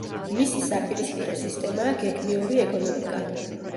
მისი საპირისპირო სისტემაა გეგმიური ეკონომიკა.